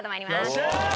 よっしゃあ！